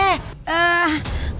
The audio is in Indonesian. bu ranti bu ranti